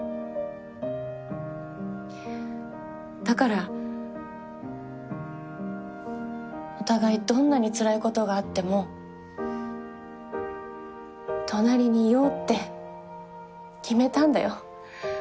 だからお互いどんなにつらい事があっても隣にいようって決めたんだよ。